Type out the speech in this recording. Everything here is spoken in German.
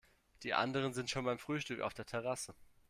Die anderen sind schon beim Frühstück auf der Terrasse.